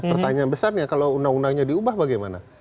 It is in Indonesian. pertanyaan besarnya kalau undang undangnya diubah bagaimana